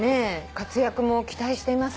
活躍も期待しています。